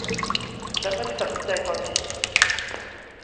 ฉันไม่ได้ตัดสินใจตอนนี้